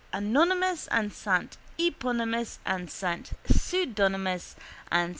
Anonymous and S. Eponymous and S. Pseudonymous and S.